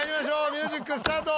ミュージックスタート！